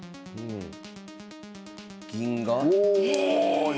銀が。